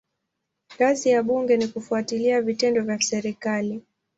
Kazi ya bunge ni kufuatilia vitendo vya serikali.